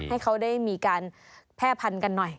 ให้เขาได้มีการแพร่พันธุ์กันหน่อย